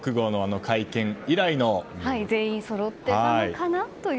全員そろってなのかな？という。